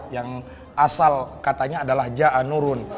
yang asal katanya adalah ja anurun